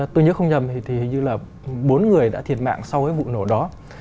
tôi nhớ không nhầm thì hình như là bốn người đã thiệt mạng sau cái vụ nổ đó